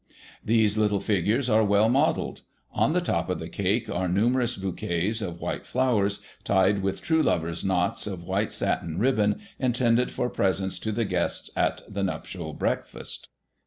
These little figures are well modelled. On the top of the cake are numerous bouquets of white flowers tied with true lover's knots of white satin ribbon, intended for presents to the guests at the nuptial breakfast.